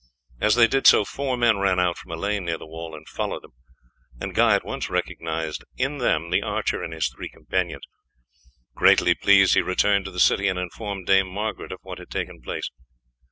As they did so, four men ran out from a lane near the wall and followed them; and Guy at once recognized in them the archer and his three companions. Greatly pleased, he returned to the city and informed Dame Margaret of what had taken place.